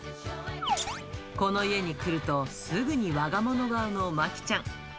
この家に来ると、すぐにわが物顔のまきちゃん。